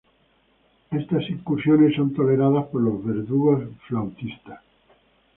Estas incursiones son toleradas por los verdugos flautistas.